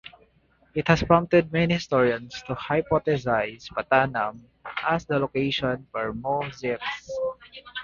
It has prompted many historians to hypothesize Pattanam as the location of "Muziris".